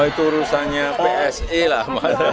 itu urusannya psi lah